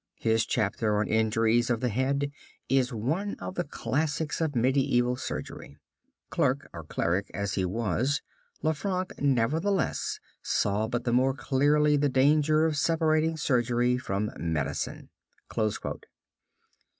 His chapter on injuries of the head is one of the classics of medieval surgery. Clerk (cleric) as he was, Lanfranc nevertheless saw but the more clearly the danger of separating surgery from medicine."